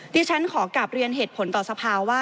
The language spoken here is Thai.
ที่ฉันขอกลับเรียนเหตุผลต่อสภาว่า